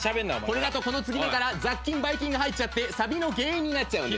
これだとこの継ぎ目から雑菌ばい菌が入っちゃってさびの原因になっちゃうんです。